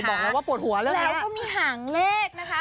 แล้วก็มีหางเลขนะคะ